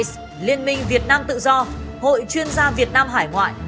như voice rise liên minh việt nam tự do hội chuyên gia việt nam hải ngoại